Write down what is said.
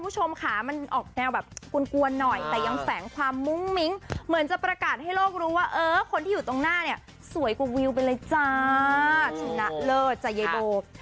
ชนะแสงจต์จระเยดเย็น